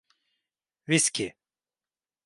Viski.